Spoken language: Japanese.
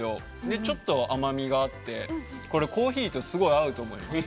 ちょっと甘みがあってコーヒーと合うと思います。